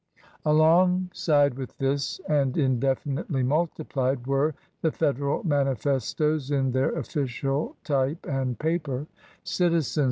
Alongside with this, and indefinitely multiplied, were the Federal manifestos in their official type and paper — "Citizens!